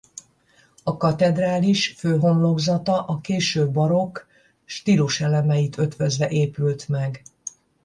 A katedrális főhomlokzata a késő barokk stíluselemeit ötvözve épült meg.